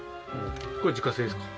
これ自家製ですか？